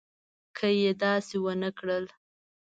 که یې داسې ونه کړل.